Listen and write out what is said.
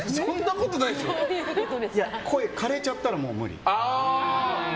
声枯れちゃったらもう無理。